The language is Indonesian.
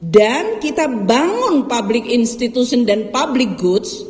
dan kita bangun public institution dan public goods